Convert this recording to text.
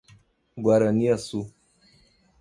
Guaraniaçu